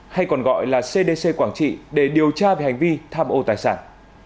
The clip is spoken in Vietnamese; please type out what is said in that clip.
hay còn gọi là cdc quảng trị để điều tra về hành vi tham ô tài sản